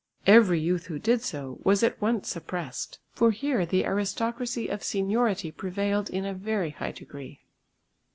Every youth who did so, was at once suppressed, for here the aristocracy of seniority prevailed in a very high degree.